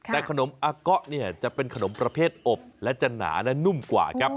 แต่ขนมอาเกาะเนี่ยจะเป็นขนมประเภทอบและจะหนาและนุ่มกว่าครับ